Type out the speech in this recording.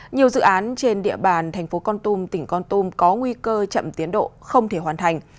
nhiều dự án trên địa bàn thành phố con tum tỉnh con tum có nguy cơ chậm tiến độ không thể hoàn thành